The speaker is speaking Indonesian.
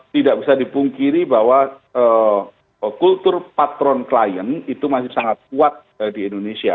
tidak bisa dipungkiri bahwa kultur patron klien itu masih sangat kuat di indonesia